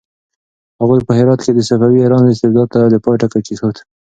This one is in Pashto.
هغوی په هرات کې د صفوي ایران استبداد ته د پای ټکی کېښود.